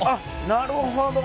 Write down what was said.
なるほど。